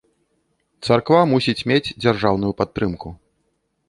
Царква мусіць мець дзяржаўную падтрымку.